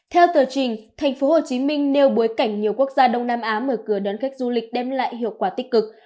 theo tờ trình thành phố hồ chí minh nêu bối cảnh nhiều quốc gia đông nam á mở cửa đón khách du lịch đem lại hiệu quả tích cực